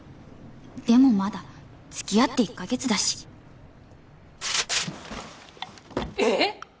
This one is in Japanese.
でもまだ付き合って１カ月だしええっ！？